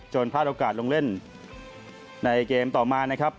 พลาดโอกาสลงเล่นในเกมต่อมานะครับ